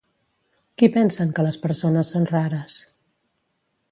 Qui pensen que les persones són rares?